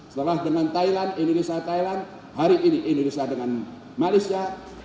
setelah dengan thailand indonesia thailand hari ini indonesia dengan malaysia